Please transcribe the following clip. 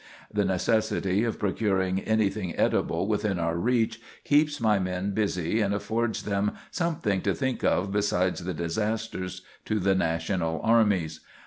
The necessity of procuring everything edible within our reach keeps my men busy and affords them something to think of besides the disasters to the National armies.